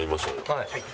はい。